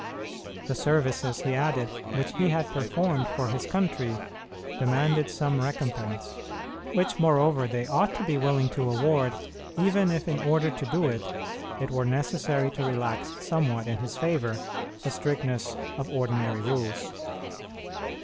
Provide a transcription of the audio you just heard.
The services, he added, which he had performed for his country demanded some recompense, which, moreover, they ought to be willing to award even if in order to do it it were necessary to relax somewhat in his favor the strictness of ordinary rules.